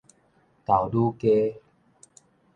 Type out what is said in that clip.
豆乳雞